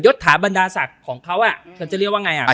ถาบรรดาศักดิ์ของเขาเขาจะเรียกว่าไงอ่ะ